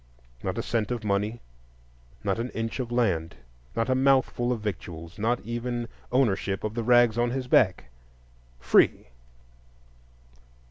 Not a cent of money, not an inch of land, not a mouthful of victuals,—not even ownership of the rags on his back. Free!